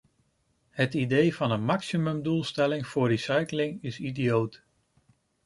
Het idee van een maximumdoelstelling voor recycling is idioot.